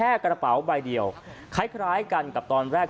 กระเป๋าใบเดียวคล้ายกันกับตอนแรก